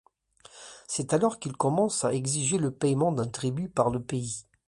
C'est alors qu'ils commencent à exiger le paiement d'un tribut par le pays.